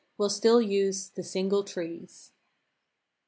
We'll still use the single trees.